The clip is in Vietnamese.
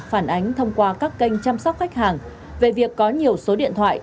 phản ánh thông qua các kênh chăm sóc khách hàng về việc có nhiều số điện thoại